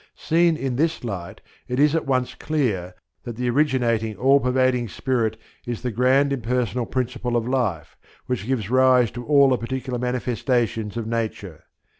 Seen in this light it is at once clear that the originating all pervading Spirit is the grand impersonal principle of Life which gives rise to all the particular manifestations of Nature.